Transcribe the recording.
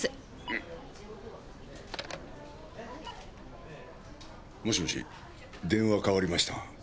「うん」もしもし電話代わりましたが。